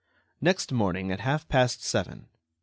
Next morning, at half past seven, Mon.